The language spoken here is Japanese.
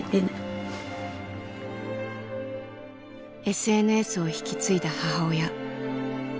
ＳＮＳを引き継いだ母親。